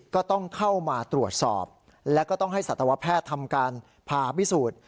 ก็ต้องเข้ามาตรวจสอบแล้วก็ต้องให้สัตวแพทย์ทำการผ่าพิสูจน์